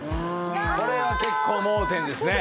これは結構盲点ですね